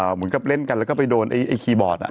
เหมือนกับเล่นกันแล้วก็ไปโดนไอ้คีย์บอร์ด